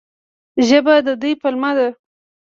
ژبه د دوی پلمه ده.